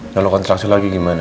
kalau kontraksi lagi gimana